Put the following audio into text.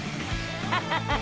ッハハハハ！！